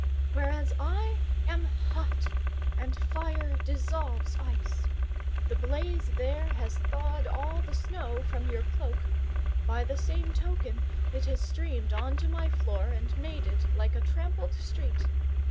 "Whereas I am hot, and fire dissolves ice. The blaze there has thawed all the snow from your cloak; by the same token, it has streamed on to my floor, and made it like a trampled street.